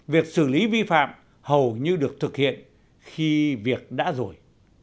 việc xử lý vi phạm hầu như được thực hiện khi việc đã rồi